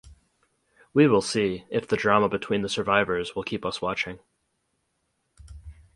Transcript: We will see if the drama between the survivors will keep us watching.